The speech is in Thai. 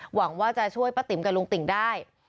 หวังว่าจะช่วยป้าติ๋มกับลุงติ่งได้